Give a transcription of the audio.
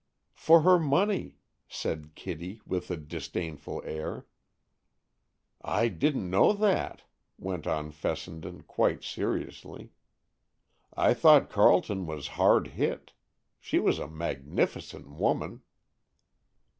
"For her money," said Kitty, with a disdainful air. "I didn't know that," went on Fessenden, quite seriously. "I thought Carleton was hard hit. She was a magnificent woman."